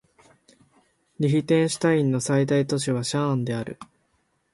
リヒテンシュタインの最大都市はシャーンである